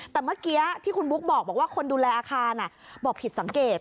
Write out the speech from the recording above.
แต่เมื่อกี้ที่คุณบุ๊กบอกว่าคนดูแลอาคารบอกผิดสังเกต